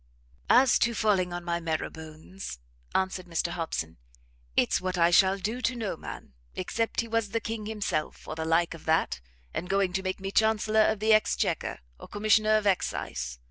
"As to falling on my marrowbones," answered Mr Hobson, "it's what I shall do to no man, except he was the King himself, or the like of that, and going to make me Chancellor of the Exchequer, or Commissioner of Excise.